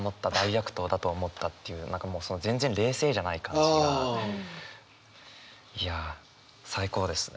何かもう全然冷静じゃない感じがいや最高ですね。